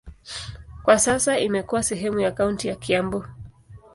Kwa sasa imekuwa sehemu ya kaunti ya Kiambu.